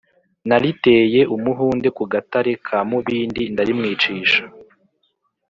naliteye umuhunde ku gatare ka mubindi, ndarimwicisha.